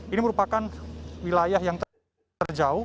ini merupakan wilayah yang terjauh